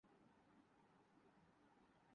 یہ بحث نئی نہیں، ماضی میں ایک دور ایسا گزرا ہے۔